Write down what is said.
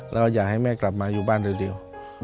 แล้วอยากให้แม่กลับมาอยู่บ้านเร็ว